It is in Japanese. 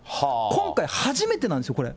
今回初めてなんですよ、これ。